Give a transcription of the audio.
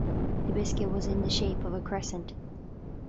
The biscuit was in the shape of a crescent.